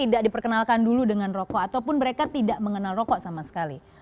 tidak diperkenalkan dulu dengan rokok ataupun mereka tidak mengenal rokok sama sekali